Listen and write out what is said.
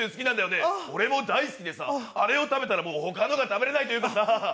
ねる俺もあれ大好きでさ、あれを食べたらもう他のが食べれないっていうかさ。